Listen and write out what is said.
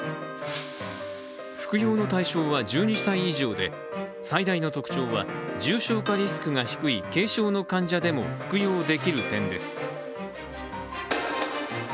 服用の対象は１２歳以上で、最大の特徴は重症化リスクが低い軽症の患者でも服用できる点です。